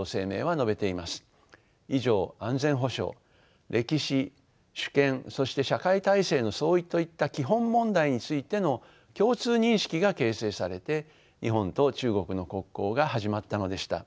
以上安全保障歴史主権そして社会体制の相違といった基本問題についての共通認識が形成されて日本と中国の国交が始まったのでした。